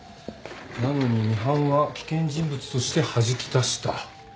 なのにミハンは危険人物としてはじき出した。